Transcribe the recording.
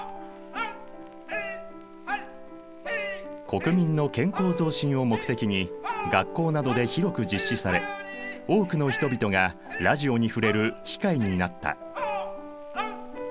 国民の健康増進を目的に学校などで広く実施され多くの人々がラジオに触れる機会になった。